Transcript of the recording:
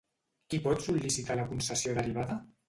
Qui pot sol·licitar la concessió derivada?